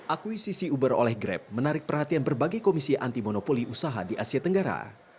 akuisisi uber oleh grab menarik perhatian berbagai komisi anti monopoli usaha di asia tenggara